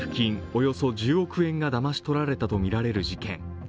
およそ１０億円がだまし取られたとみられる事件。